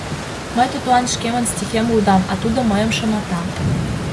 Мый тудлан шкемын стихем лудам, а тудо мыйым шымата...